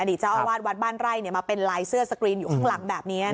เจ้าอาวาสวัดบ้านไร่มาเป็นลายเสื้อสกรีนอยู่ข้างหลังแบบนี้